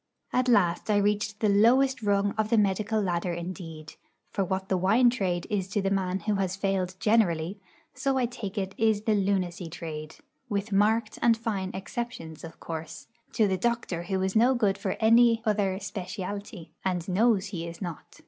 At last I reached the lowest rung of the medical ladder indeed; for what the wine trade is to the man who has failed generally, so I take it is the lunacy trade (with marked and fine exceptions, of course) to the doctor who is no good for any other 'specialty,' and knows he is not.